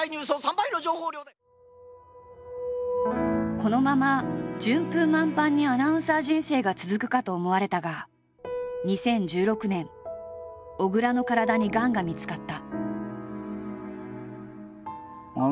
このまま順風満帆にアナウンサー人生が続くかと思われたが２０１６年小倉の体にがんが見つかった。